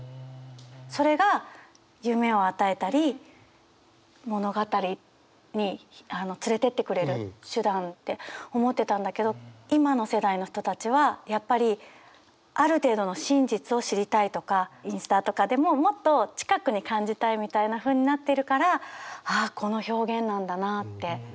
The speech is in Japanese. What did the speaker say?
それが夢を与えたり物語に連れてってくれる手段って思ってたんだけど今の世代の人たちはやっぱりある程度の真実を知りたいとかインスタとかでももっと近くに感じたいみたいなふうになっているからああこの表現なんだなって。